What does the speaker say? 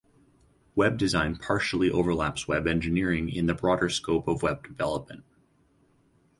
Web design partially overlaps web engineering in the broader scope of web development.